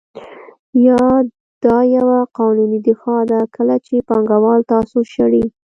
یا دا یوه قانوني دفاع ده کله چې پانګوال تاسو شړي